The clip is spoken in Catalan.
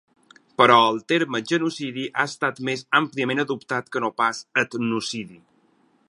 Però el terme "genocidi" ha estat més àmpliament adoptat que no pas "etnocidi".